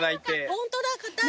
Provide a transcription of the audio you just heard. ホントだ硬い。